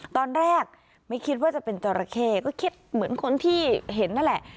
ตอนแรกไม่คิดว่าจะเป็นจราเข้ก็คิดเหมือนคนที่เห็นนั่นแหละ